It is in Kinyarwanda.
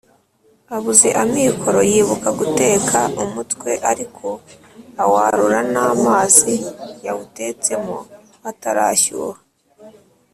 Abuze amikoro, yibuka guteka umutwe, ariko awarura n' amazi yawutetsemo atarashyuha